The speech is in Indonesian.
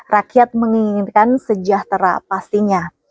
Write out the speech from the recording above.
rakyat menginginkan sejahtera pastinya